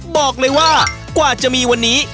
บอกเลยว่ากว่าจะมีวันนี้